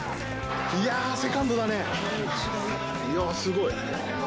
いや、すごい。